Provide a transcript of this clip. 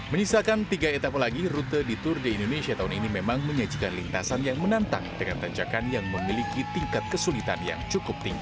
menyisakan tiga etapa lagi rute di tour de indonesia tahun ini memang menyajikan lintasan yang menantang dengan tanjakan yang memiliki tingkat kesulitan yang cukup tinggi